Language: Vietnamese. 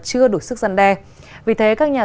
chưa đủ sức giăn đe vì thế các nhà